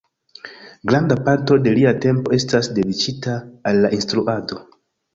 Granda parto de lia tempo estas dediĉita al la instruado.